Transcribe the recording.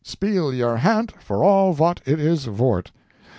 Speal your hant for all vot it is vort.